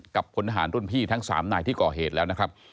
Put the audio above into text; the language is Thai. กับคนอาหารด้นพี่ทั้ง๓หน่ายที่ก่อเหตุแล้วนะครับ